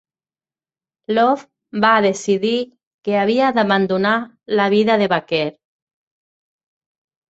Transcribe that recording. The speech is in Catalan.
Love va decidir que havia d'abandonar la vida de vaquer.